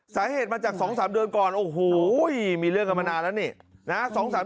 สาเหตุมาจาก๒๓เดือนก่อนโอ้โหมีเรื่องกันมานานแล้วนี่นะ